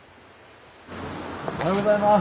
おはようございます。